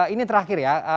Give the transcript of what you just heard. ini terakhir ya